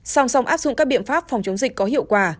song song áp dụng các biện pháp phòng chống dịch có hiệu quả